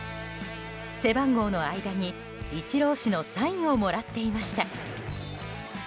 背番号の間にイチロー氏のサインをもらっていました。